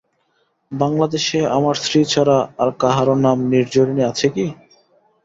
বাংলাদেশে আমার স্ত্রী ছাড়া আর কাহারো নাম নির্ঝরিণী আছে কি।